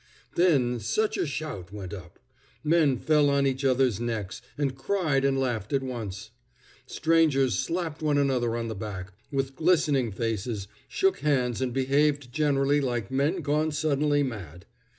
Then such a shout went up! Men fell on each other's necks, and cried and laughed at once. Strangers slapped one another on the back, with glistening faces, shook hands, and behaved generally like men gone suddenly mad.